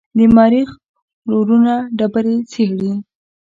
د مریخ روورونه ډبرې څېړي.